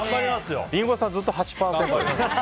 リンゴさん、ずっと８％ですね。